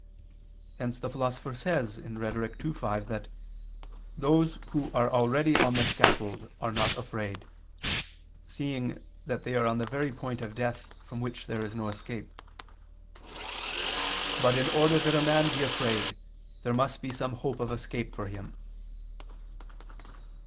Hence the Philosopher says (Rhet. ii, 5) that "those who are already on the scaffold, are not afraid," seeing that they are on the very point of a death from which there is no escape; "but in order that a man be afraid, there must be some hope of escape for him."